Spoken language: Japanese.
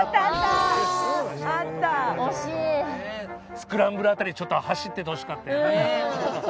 スクランブル辺り走っててほしかったよね。